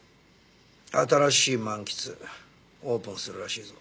新しい漫喫オープンするらしいぞ。